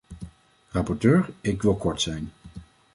Rapporteur, ik wil kort zijn.